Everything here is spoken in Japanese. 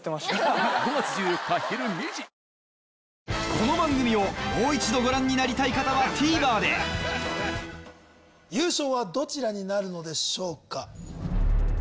この番組をもう一度ご覧になりたい方はＴＶｅｒで優勝はどちらになるのでしょうか？